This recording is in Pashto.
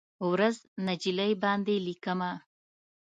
ورځ، نجلۍ باندې لیکمه